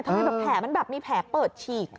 ทำให้แผ่มันแบบมีแผ่เปิดฉีก